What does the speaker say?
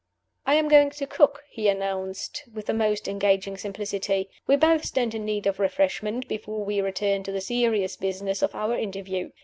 "I am going to cook," he announced, with the most engaging simplicity. "We both stand in need of refreshment before we return to the serious business of our interview.